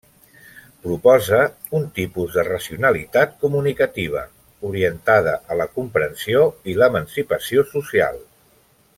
Proposa un tipus de racionalitat comunicativa, orientada a la comprensió i l'emancipació social.